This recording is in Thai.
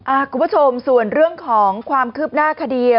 คุณผู้ชมส่วนเรื่องของความคืบหน้าคดี